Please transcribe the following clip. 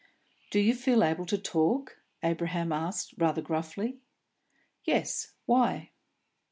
"Do you feel able to talk?" Abraham asked, rather gruffly. "Yes. Why?"